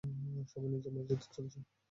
সবাই নিজের মর্জিতে চলছে।